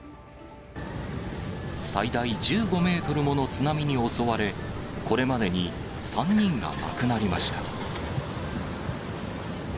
最大１５メートルもの津波に襲われ、これまでに３人が亡くなりました。